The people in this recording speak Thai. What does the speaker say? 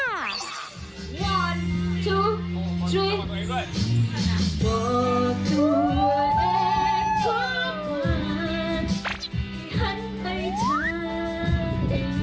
บอกตัวเองความหวานหันไปเธอเอง